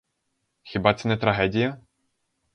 Хіба це не трагедія?